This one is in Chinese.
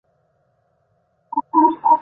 属内蒙古自治区伊克昭盟。